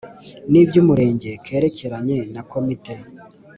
n iby Umurenge kerekeranye na Komite